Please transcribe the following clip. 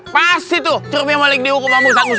pasti tuh trobemo lagi dihukum sama ustadz musa